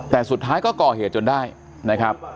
แต่สุดท้ายก็ก่อเหตุจนได้นะครับ